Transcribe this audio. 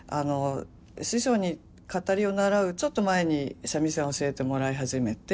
師匠に語りを習うちょっと前に三味線を教えてもらい始めて。